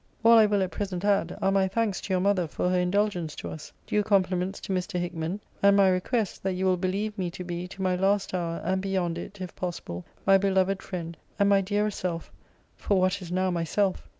All I will at present add, are my thanks to your mother for her indulgence to us; due compliments to Mr. Hickman; and my request, that you will believe me to be, to my last hour, and beyond it, if possible, my beloved friend, and my dearer self (for what is now myself!)